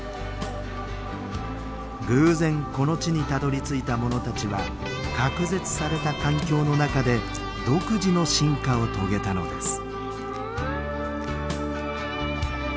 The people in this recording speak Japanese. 偶然この地にたどりついたものたちは隔絶された環境の中で独自の進化を遂げたのです。